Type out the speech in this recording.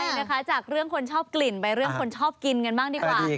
ใช่นะคะจากเรื่องคนชอบกลิ่นไปเรื่องคนชอบกินกันบ้างดีกว่า